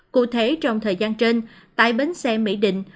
cụ thể trong thời gian trên tại bến xe mỹ định